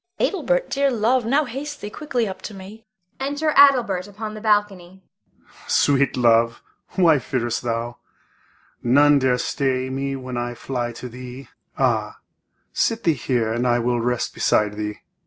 Bianca. Adelbert, dear love, now haste thee quickly up to me. [Enter Adelbert upon the balcony. Adel. Sweet love, why fearest thou? None dare stay me when I fly to thee. Ah, sit thee here, and I will rest beside thee.